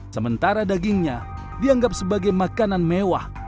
sementara dagingnya dianggap sebagai makanan mewah